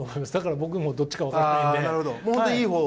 僕もどっちか分からないので。